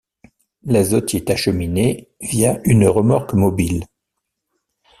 L'azote y est acheminé via une remorque mobile.